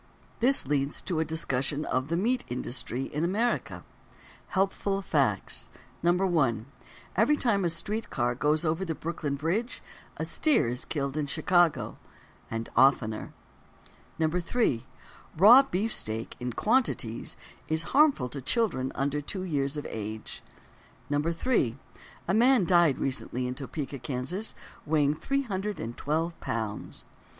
This leads to a discussion of: "The Meat Industry in America." Helpful Facts: 1. Every time a street car goes over the Brooklyn Bridge, a steer is killed in Chicago—and oftener. 2. Raw beefsteak in quantities is harmful to children under two years of age. 3. A man died recently in Topeka, Kansas, weighing 312 pounds.